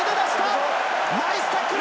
ナイスタックル